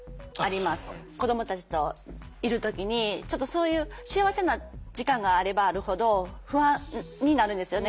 子どもたちといる時にちょっとそういう幸せな時間があればあるほど不安になるんですよね。